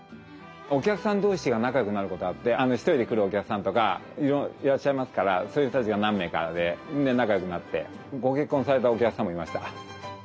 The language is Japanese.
お客さん同士が仲良くなることあって１人で来るお客さんとかいらっしゃいますからそういう人たちが何名かで仲良くなってご結婚されたお客さんもいました。